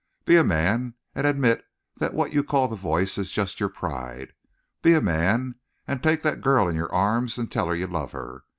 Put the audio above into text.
Be a man and admit that what you call the Voice is just your pride. Be a man and take that girl in your arms and tell her you love her.